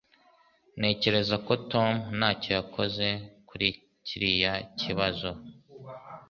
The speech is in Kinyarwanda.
Ntekereza ko Tom ntacyo yakoze kuri kiriya kibazo.